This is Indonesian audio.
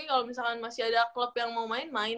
kalau misalkan masih ada klub yang mau main main